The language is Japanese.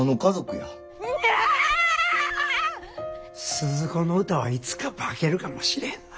スズ子の歌はいつか化けるかもしれへんな。